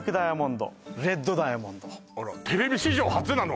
あらテレビ史上初なの？